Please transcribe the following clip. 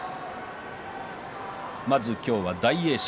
まず今日は大栄翔。